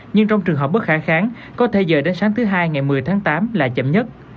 nhưng trong trường hợp bất khả kháng có thể giờ đến sáng thứ hai ngày một mươi tháng tám là chậm nhất